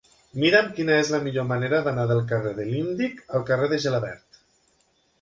Mira'm quina és la millor manera d'anar del carrer de l'Índic al carrer de Gelabert.